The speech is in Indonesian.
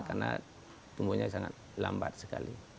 karena tumbuhnya sangat lambat sekali